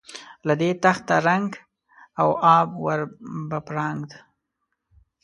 له دې تخته رنګ او آب ور بپراګند.